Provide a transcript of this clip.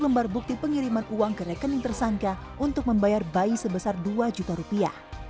lembar bukti pengiriman uang ke rekening tersangka untuk membayar bayi sebesar dua juta rupiah